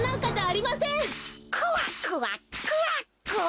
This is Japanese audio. クワクワクワクワ。